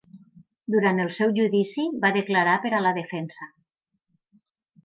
Durant el seu judici, va declarar per a la defensa.